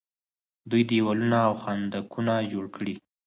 دوی دیوالونه او خندقونه جوړ کړي.